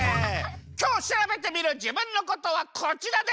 きょうしらべてみるじぶんのことはこちらです！